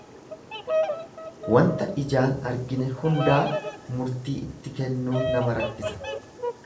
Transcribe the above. Wanta ijaan arginu hundaa murtii itti kennuun nama rakkisa.